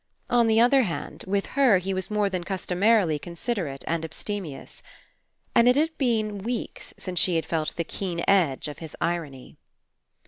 On the other hand, with her he was more than customarily considerate and abstemious. And It had been 155 PASSING weeks since she had felt the keen edge of his irony.